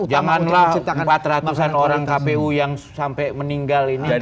janganlah empat ratus an orang kpu yang sampai meninggal ini